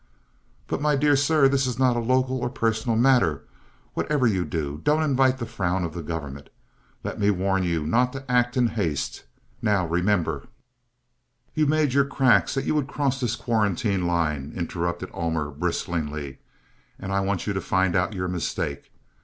"But, my dear sir, this is not a local or personal matter. Whatever you do, don't invite the frown of the government. Let me warn you not to act in haste. Now, remember " "You made your cracks that you would cross this quarantine line," interrupted Ullmer, bristlingly, "and I want you to find out your mistake.